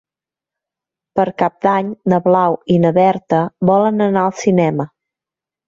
Per Cap d'Any na Blau i na Berta volen anar al cinema.